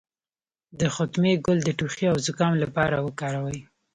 د ختمي ګل د ټوخي او زکام لپاره وکاروئ